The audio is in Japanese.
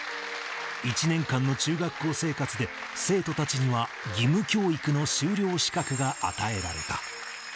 １年間の中学校生活で、生徒たちには義務教育の修了資格が与えられた。